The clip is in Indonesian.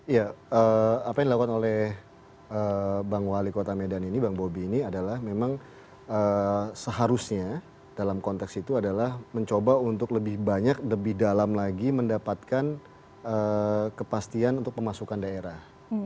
ya apa yang dilakukan oleh bang wali kota medan ini bang bobi ini adalah memang seharusnya dalam konteks itu adalah mencoba untuk lebih banyak lebih dalam lagi mendapatkan kepastian untuk pemasukan daerah